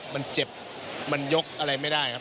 มันเจ็บมันยกอะไรไม่ได้ครับ